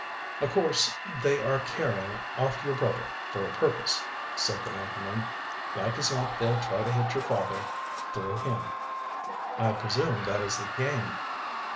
"O' course they are carrying off your brother fer a purpose," said the lumberman. "Like as not they'll try to hit your father through him." "I presume that is the game."